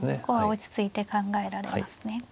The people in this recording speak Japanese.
ここは落ち着いて考えられますね。